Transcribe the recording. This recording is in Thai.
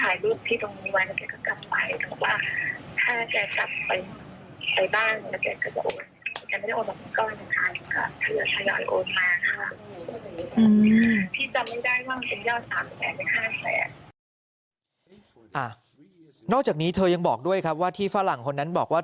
นอกจากนี้เธอยังบอกด้วยครับว่าที่ฝรั่งคนนั้นบอกว่า